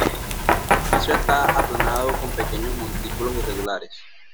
El piso está aplanado, con pequeños montículos irregulares.